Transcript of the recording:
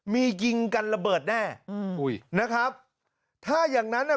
มียิงกันระเบิดแน่อืมอุ้ยนะครับถ้าอย่างงั้นอ่ะ